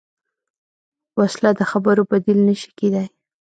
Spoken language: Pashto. وسله د خبرو بدیل نه شي کېدای